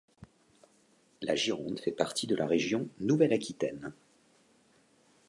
La Gironde fait partie de la région Nouvelle-Aquitaine.